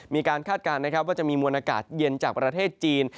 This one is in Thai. มีการคาดการณ์ว่าจะมีมวลอากาศเย็นจากประเทศจีน